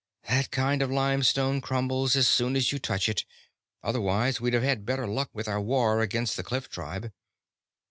"That kind of limestone crumbles as soon as you touch it, otherwise we'd have had better luck with our war against the cliff tribe."